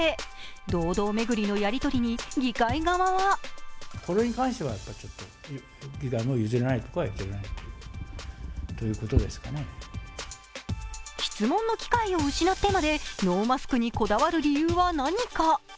堂々巡りのやり取りに議会側は質問の機会を失ってまでノーマスクにこだわる理由は何なのか。